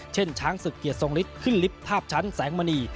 ช้างศึกเกียรติทรงฤทธิ์ขึ้นลิฟต์ภาพชั้นแสงมณี